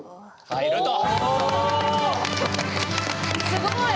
すごい！